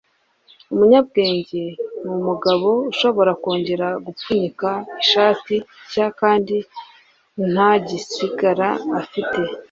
umunyabwenge numugabo ushobora kongera gupfunyika ishati nshya kandi ntagisigara afite.